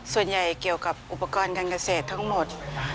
ส่วนใหญ่เกี่ยวกับอุปกรณ์การเกษตรทั้งหมด